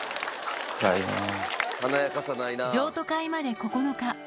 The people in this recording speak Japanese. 譲渡会まで９日。